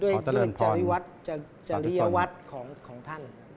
ด้วยธรรมภิวัตน์จาลิยวัตรของท่าน